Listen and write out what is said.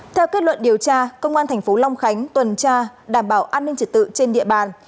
theo kết luận điều tra công an thành phố long khánh tuần tra đảm bảo an ninh trật tự trên địa bàn